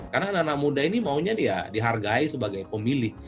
karena anak anak muda ini maunya dihargai sebagai pemilih